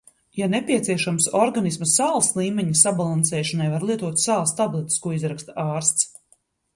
Ja nepieciešams, organisma sāls līmeņa sabalansēšanai var lietot sāls tabletes, ko izraksta ārsts.